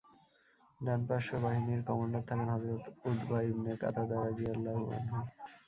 ডান পার্শ্ব বাহিনীর কমান্ডার থাকেন হযরত উতবা ইবনে কাতাদা রাযিয়াল্লাহু আনহু।